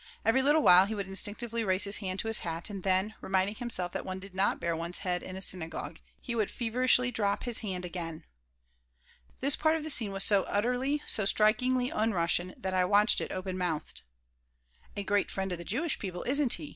Every little while he would instinctively raise his hand to his high hat and then, reminding himself that one did not bare one's head in a synagogue, he would feverishly drop his hand again This part of the scene was so utterly, so strikingly un Russian that I watched it open mouthed "A great friend of the Jewish people, isn't he?"